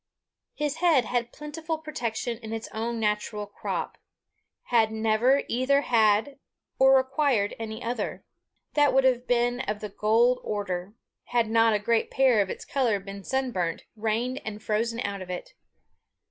His head had plentiful protection in his own natural crop had never either had or required any other. That would have been of the gold order, had not a great part of its colour been sunburnt, rained, and frozen out of it.